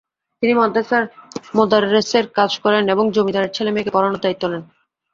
তিনি মাদ্রাসার মোদাররেসের কাজ করেন এবং জমিদারের ছেলে-মেয়েকে পড়ানোর দায়িত্ব নেন।